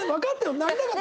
なりたかった？